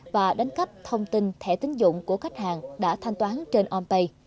và đánh cắp thông tin thẻ tính dụng của khách hàng đã thanh toán trên ompay